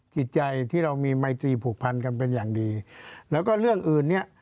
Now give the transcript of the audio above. จิตใจที่เรามีไมตรีผูกพันกันเป็นอย่างดีแล้วก็เรื่องอื่นเนี้ย